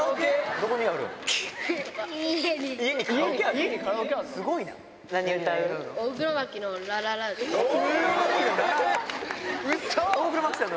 どこにあるん？